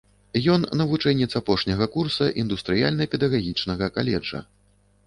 Ён навучэнец апошняга курса індустрыяльна-педагагічнага каледжа.